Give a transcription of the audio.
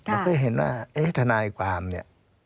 แล้วก็เห็นว่าทนายกวามนี่